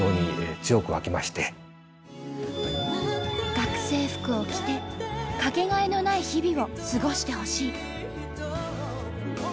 「学生服を着てかけがえのない日々を過ごしてほしい」。